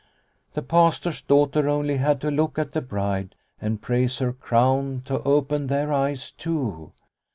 The Pastor's daughter only had to look at the bride and praise her crown to open their eyes too.